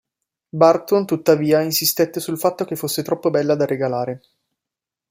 Burton, tuttavia, insistette sul fatto che fosse troppo bella da regalare.